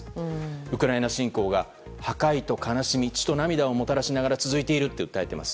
ウクライナ侵攻が破壊と悲しみ血と涙をもたらしながら続いていると訴えています。